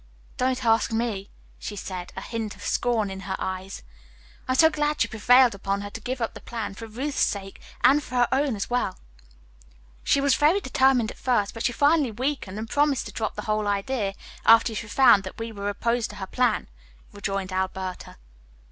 "Don't ask me," she said, a hint of scorn in her eyes. "I am so glad you prevailed upon her to give up the plan, for Ruth's sake and for her own as well." "She was very determined at first, but she finally weakened and promised to drop the whole idea after she found that we were opposed to her plan," rejoined Alberta.